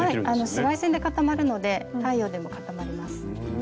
紫外線で固まるので太陽でも固まります。